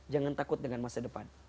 jangan takut dengan masa depan